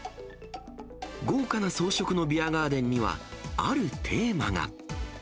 豪華な装飾のビアガーデンには、あるテーマが。